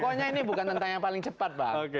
pokoknya ini bukan tentang yang paling cepat pak